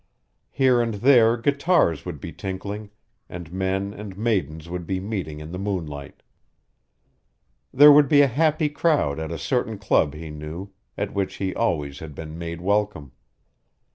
Here and there guitars would be tinkling, and men and maidens would be meeting in the moonlight. There would be a happy crowd at a certain club he knew, at which he always had been made welcome.